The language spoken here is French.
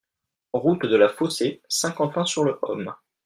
Route de la Fossé, Saint-Quentin-sur-le-Homme